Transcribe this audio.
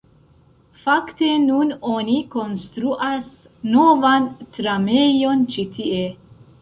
Fakte, nun oni konstruas novan tramejon ĉi tie